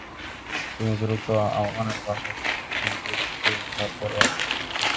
তিনি দ্রুত আমানের বাসায় গিয়ে দেখেন, দুই শিশুই নিথর পড়ে আছে।